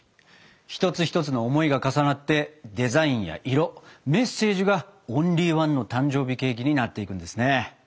一つ一つの思いが重なってデザインや色メッセージがオンリーワンの誕生日ケーキになっていくんですね。